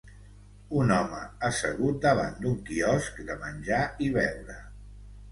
Un home assegut davant d'un quiosc de menjar i beure.